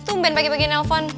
tumben pake pake nelpon